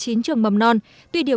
nhưng các trường mầm non có giáo viên